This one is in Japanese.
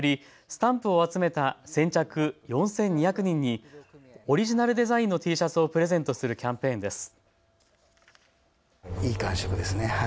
スタンプを集めた先着４２００人にオリジナルデザインのＴシャツをプレゼントするキャンペーンです。